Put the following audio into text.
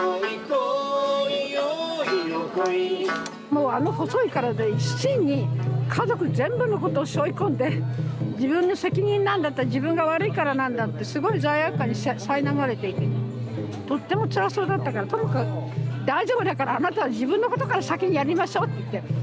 もうあの細い体で一身に家族全部のことをしょい込んで自分の責任なんだ自分が悪いからなんだってすごい罪悪感にさいなまれていてねとってもつらそうだったからともかく大丈夫だからあなたは自分のことから先にやりましょうって言って。